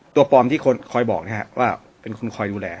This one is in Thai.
ตัวปลอมที่คอยบอกว่าเป็นคนคอยดูแล